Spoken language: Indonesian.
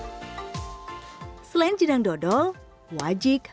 wayu dan kaya juga mencari jenang yang lebih sederhana dan lebih sederhana dan lebih sederhana